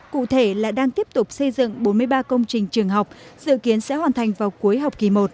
cụ thể là đang tiếp tục xây dựng bốn mươi ba công trình trường học dự kiến sẽ hoàn thành vào cuối học kỳ một